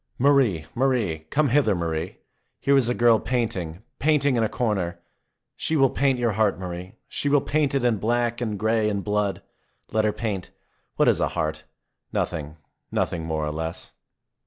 Marie, Marie I Come hither, Marie ! Here is a girl painting, painting in a corner. She will paint your heart, Marie. She will paint it in black, and gray, and blood. Let her paint. What is a heart? Nothing, nothing — ^more or less.